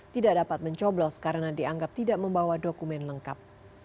tidak dapat mencoblos karena dianggap tidak membawa dokumen lengkap